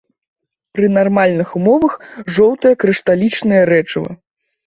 Пры нармальных умовах жоўтае крышталічнае рэчыва.